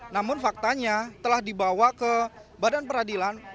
namun faktanya telah dibawa ke badan peradilan